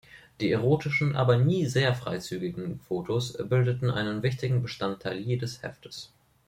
Die erotischen, aber nie sehr freizügigen Fotos bildeten einen wichtigen Bestandteil jedes Heftes.